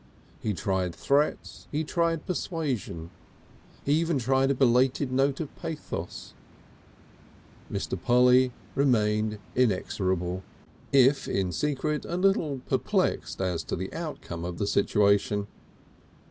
He tried threats, he tried persuasion, he even tried a belated note of pathos; Mr. Polly remained inexorable, if in secret a little perplexed as to the outcome of the situation.